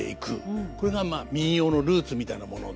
これがまあ民謡のルーツみたいなもので。